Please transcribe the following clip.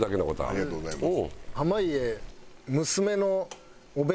ありがとうございます。